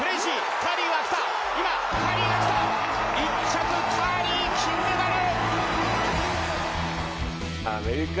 １着カーリー、金メダル！